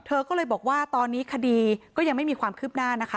เธอก็เลยบอกว่าตอนนี้คดีก็ยังไม่มีความคืบหน้านะคะ